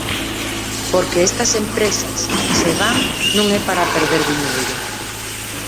Porque estas empresas, se van, non é para perder diñeiro.